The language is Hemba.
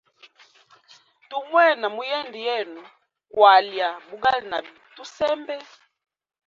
Tu mwena muyende yenu kwalya bugali na tusembe.